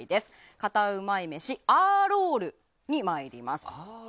カタうまい飯アーロールに参ります。